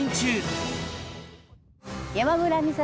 山村美紗